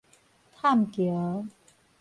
探橋